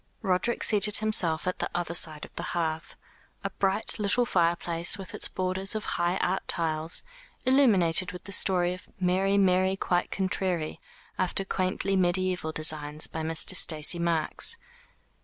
Roderick seated himself at the other side of the hearth a bright little fire place with its border of high art tiles, illuminated with the story of "Mary, Mary, quite contrary," after quaintly mediaeval designs, by Mr. Stacey Marks.